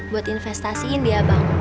buat investasiin dia bang